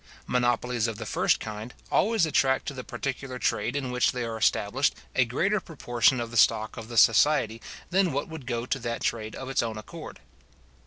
Monopolies of the first kind always attract to the particular trade in which they are established a greater proportion of the stock of the society than what would go to that trade of its own accord.